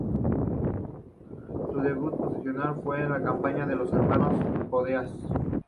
Su debut profesional fue en la compañía de los hermanos Podestá.